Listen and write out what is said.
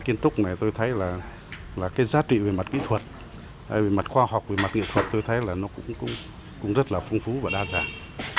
kiến trúc này tôi thấy là cái giá trị về mặt kỹ thuật về mặt khoa học về mặt nghệ thuật tôi thấy là nó cũng rất là phong phú và đa dạng